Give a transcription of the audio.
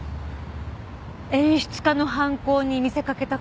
演出家の犯行に見せかけたかった。